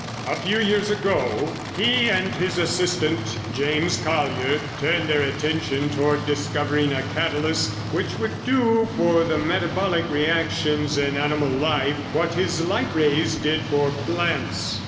"A few years ago, he and his assistant, James Collier, turned their attention toward discovering a catalyst which would do for the metabolic reactions in animal life what his light rays did for plants.